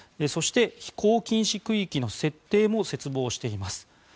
そして飛行禁止空域の設定も切望しています。